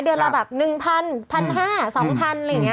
เดือนละแบบ๑๐๐๑๕๐๐๒๐๐อะไรอย่างนี้